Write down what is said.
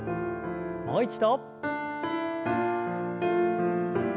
もう一度。